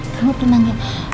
kamu tenang ya